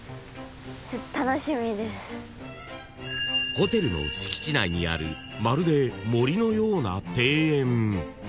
［ホテルの敷地内にあるまるで森のような庭園］